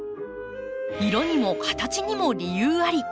色にも形にも理由あり。